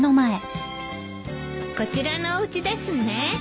こちらのおうちですね。